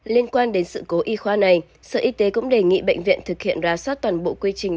liên quan đến sự cố y khoa này sở y tế cũng đề nghị bệnh viện thực hiện ra soát toàn bộ quy trình